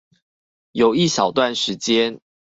有一小段時間